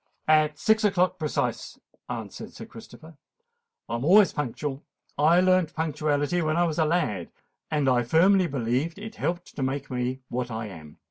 "At six o'clock precise," answered Sir Christopher. "I am always punctual. I learnt punctuality when I was a lad; and I firmly believe it helped to make me what I am.